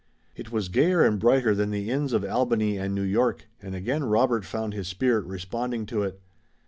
It was gayer and brighter than the inns of Albany and New York, and again Robert found his spirit responding to it.